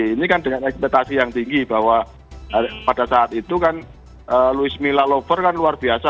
ini kan dengan ekspektasi yang tinggi bahwa pada saat itu kan louis mila lover kan luar biasa